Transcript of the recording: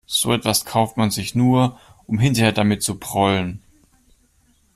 So etwas kauft man sich nur, um hinterher damit zu prollen.